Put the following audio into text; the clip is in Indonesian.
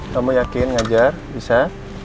kamu yakin ngajar bisa